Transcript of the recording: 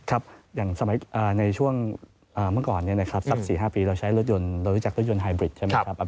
ครับอย่างเมื่อก่อนในช่วง๐๔๐๕ปีเราใช้รถยนต์เรารู้จักรถยนต์ไฮบริดใช่ไหมครับ